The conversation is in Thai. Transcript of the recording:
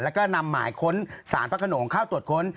แล้วก็นำหมายค้นสารพักขนโหนของข้าวตรวจค้น